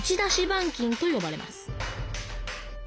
板金とよばれます